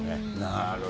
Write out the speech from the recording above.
なるほど。